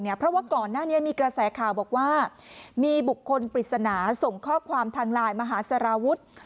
เพราะว่าก่อนหน้านี้มีกระแสข่าวบอกว่ามีบุคคลปริศนาส่งข้อความทางไลน์มหาสารวุฒิ